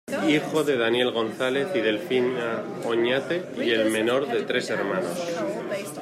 Hijo de Daniel González y Delfina Oñate, y el menor de tres hermanos.